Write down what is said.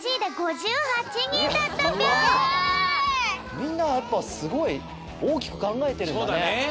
みんなやっぱすごいおおきくかんがえてるんだね。